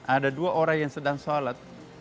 ada dua orang yang sedang sholat